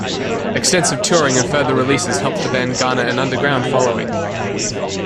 Extensive touring and further releases helped the band garner an underground following.